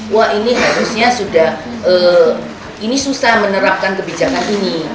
wah ini harusnya sudah ini susah menerapkan kebijakan ini